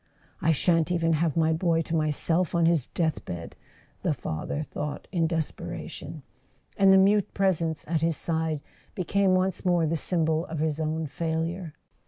"I shan't even have my boy to myself on his death¬ bed," the father thought in desperation; and the mute presence at his side became once more the symbol of his own failure.